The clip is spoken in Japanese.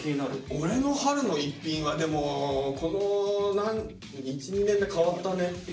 俺の春の逸品はでもこの１２年で変わったね。